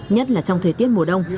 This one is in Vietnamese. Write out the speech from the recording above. nhất là trong thời tiết mùa đông